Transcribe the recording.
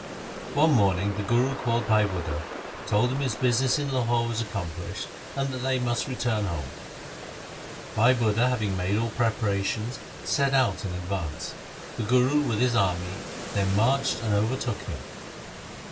One morning the Guru called Bhai Budha, told him his business in Lahore was accomplished, and they must return home. Bhai Budha, having made all preparations, set out in advance. The Guru, with his army, then marched and overtook him.